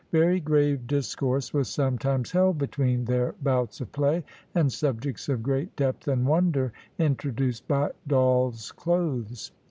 Very grave discourse was sometimes held between their bouts of play, and subjects of great depth and wonder introduced by doll's clothes.